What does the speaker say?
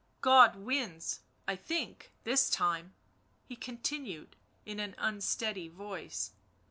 God wins, I think, this time," he continued in an unsteady voice.